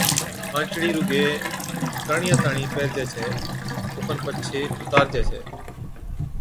ڪانچڙِي رُگَي ڪرڻِيا تاڻِين پيھرجَي ڇَي اوکن پڇي اُتارجَي ڇَي